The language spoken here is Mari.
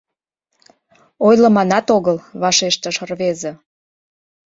Ойлыманат огыл, — вашештыш рвезе.